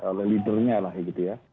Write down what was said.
oleh leadernya lah gitu ya